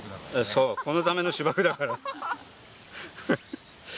そうこのための芝生だから。